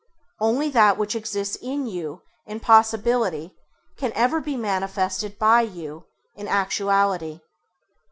Only that which exists in you in possibility can ever be manifested by you in actuality.